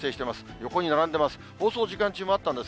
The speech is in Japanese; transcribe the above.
横に並んでます。